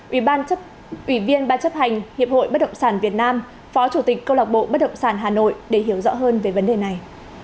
ủy ban ủy viên ban chấp hành hiệp hội bất động sản việt nam phó chủ tịch câu lạc bộ bất động sản hà nội để hiểu rõ hơn về vấn đề này